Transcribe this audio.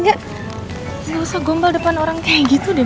gak usah gombal depan orang kayak gitu deh